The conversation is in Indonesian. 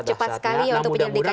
cepat sekali ya untuk penyelidikannya ya